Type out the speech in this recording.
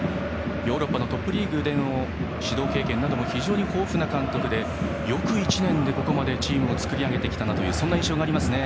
ヨーロッパのトップリーグでの指導経験なども非常に豊富な監督でよく１年で、ここまでチームを作り上げてきたなという印象がありますね。